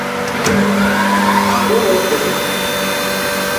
Padrão hétero